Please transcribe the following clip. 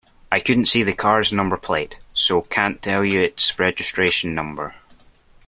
I couldn't see the car's number plate, so can't tell you its registration number